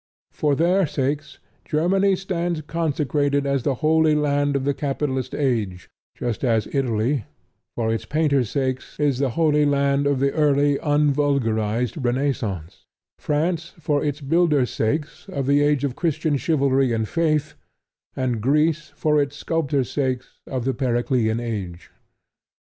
For their sakes Germany stands consecrated as the Holy Land of the capitalist age, just as Italy, for its painters' sakes, is the Holy Land of the early unvulgarized Renascence; France, for its builders' sakes, of the age of Christian chivalry and faith; and Greece, for its sculptors' sakes, of the Periclean age.